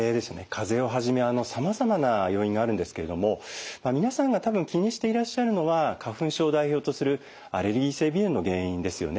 風邪をはじめさまざまな要因があるんですけれども皆さんが多分気にしていらっしゃるのは花粉症を代表とするアレルギー性鼻炎の原因ですよね。